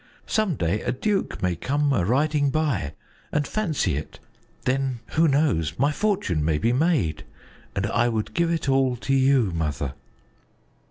Some day a duke may come a riding by and fancy it then, who knows my fortune may be made, and I would give it all to you, Mother."